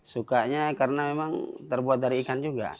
sukanya karena memang terbuat dari ikan juga